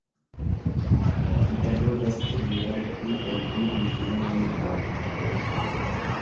Ĝi allogas ĉiujare pli ol du milionoj da vizitantoj.